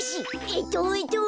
えっとえっと。